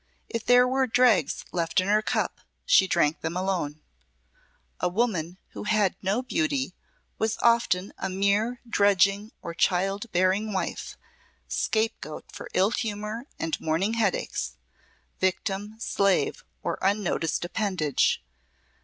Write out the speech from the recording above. If there were dregs left in her cup, she drank them alone. A woman who had no beauty was often a mere drudging or child bearing wife, scapegoat for ill humour and morning headaches; victim, slave, or unnoticed appendage.